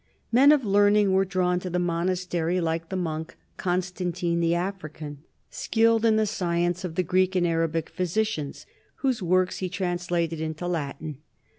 Men of learning were drawn to the monastery, like the monk Constantine the African, skilled in the science of the Greek and Arabic physicians, whose works he translated into Latin.